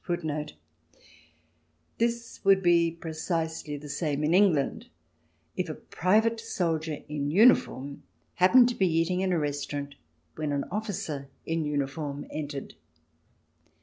F. M. H. + This would be precisely the same in England if a private soldier in uniform happened to be eating in a restaurant when an officer in uniform entered.